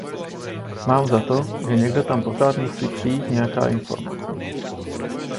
Mám za to, že někde tam pořád musí přijít nějaká informace.